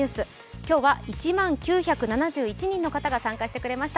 今日は１万９７１人の方が参加してくださいました。